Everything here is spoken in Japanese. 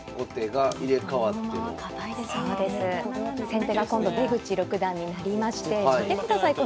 先手が今度出口六段になりまして見てください